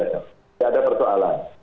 tidak ada persoalan